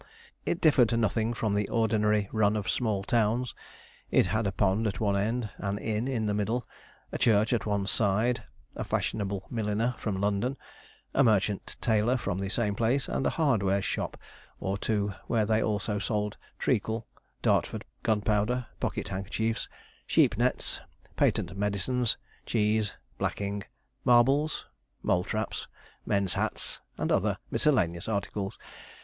It differed nothing from the ordinary run of small towns. It had a pond at one end, an inn in the middle, a church at one side, a fashionable milliner from London, a merchant tailor from the same place, and a hardware shop or two where they also sold treacle, Dartford gunpowder, pocket handkerchiefs, sheep nets, patent medicines, cheese, blacking, marbles, mole traps, men's hats, and other miscellaneous articles.